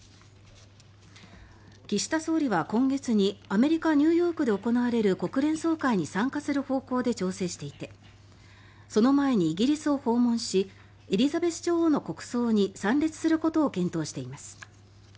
岸田総理は今月にアメリカ・ニューヨークで行われる国連総会に参加する方向で調整していてその前にイギリスを訪問しエリザベス女王の国葬に参列することを検討しています。